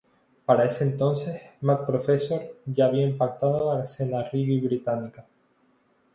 Para ese entonces, Mad Professor ya había impactado a la escena reggae británica.